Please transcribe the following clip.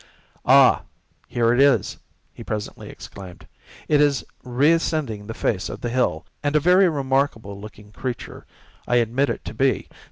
"Ah, here it is," he presently exclaimed—"it is reascending the face of the hill, and a very remarkable looking creature I admit it to be.